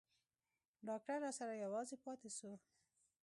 ډاکتر راسره يوازې پاته سو.